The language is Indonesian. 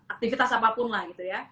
aktivitas apapun lah gitu ya